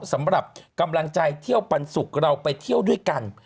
สำหรับกำลังใจเที่ยวปันสุกเราไปเที่ยวด้วยกัน